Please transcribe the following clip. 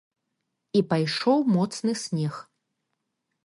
І пайшоў моцны снег.